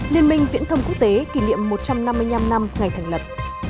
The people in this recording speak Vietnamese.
liên minh viễn thông quốc tế kỷ niệm một trăm năm mươi năm năm ngày thành lập